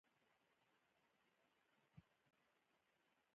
نېغ د غوټۍ کوټې ته ور روان شو.